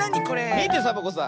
みてサボ子さん。